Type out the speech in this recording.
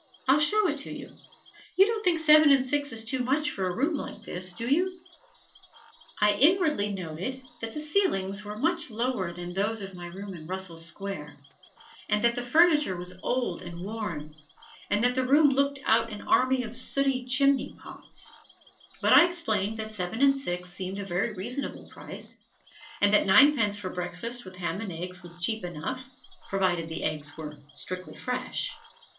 I'll show it to you. You don't think seven and six is too much for a room like this, do you?" I inwardly noted that the ceilings were much lower than those of my room in Russell Square and that the furniture was old and worn and that the room looked out on an army of sooty chimney pots, but I explained that seven and six seemed a very reasonable price, and that ninepence for breakfast with ham and eggs was cheap enough, provided the eggs were strictly fresh.